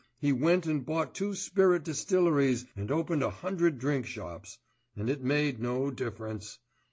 he went and bought two spirit distilleries and opened a hundred drink shops and it made no difference!